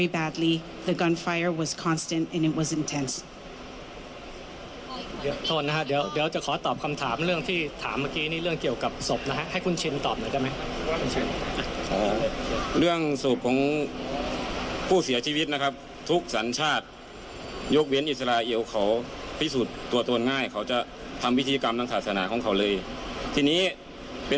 บางคนก็แย่แย่มันกำลังมันกำลังและมันแย่แย่แย่